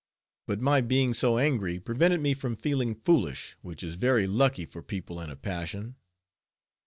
But my being so angry prevented me from feeling foolish, which is very lucky for people in a passion.